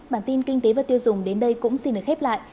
bản tin kinh tế và tiêu dùng đến đây cũng xin được khép lại